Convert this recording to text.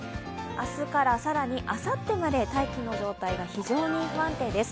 明日から更にあさってまで大気の状態が非常に不安定です。